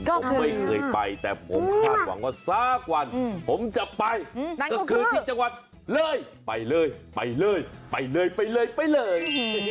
ผมไม่เคยไปแต่ผมคาดหวังว่าสักวันผมจะไปนั่นก็คือที่จังหวัดเลยไปเลยไปเลยไปเลยไปเลยไปเลย